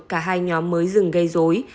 cả hai nhóm mới dừng gây dối